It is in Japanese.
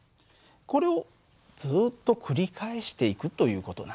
これをずっと繰り返していくという事なんだね。